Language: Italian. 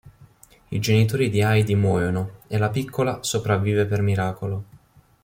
I genitori di Heidi muoiono e la piccola sopravvive per miracolo.